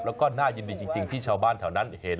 แล้วก็น่ายินดีจริงที่ชาวบ้านแถวนั้นเห็น